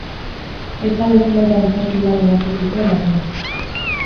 Bestalde, zenbait antzerki-lan idatzi zituen haurrentzat.